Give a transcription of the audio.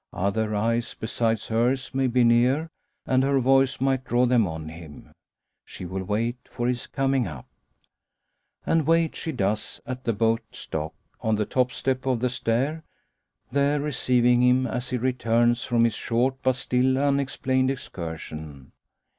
Other eyes besides hers may be near, and her voice might draw them on him. She will wait for his coming up. And wait she does, at the boat's dock, on the top step of the stair; there receiving him as he returns from his short, but still unexplained, excursion.